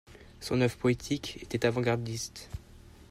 Son œuvre poétique était avant-gardiste.